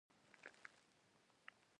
د خپل کار لنډکی ګزارش وړاندې کړ.